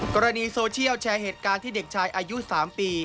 กรณีโซเชียลแชร์เหตุการณ์ที่เด็กชายอายุ๓ปี